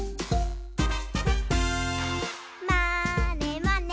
「まーねまね」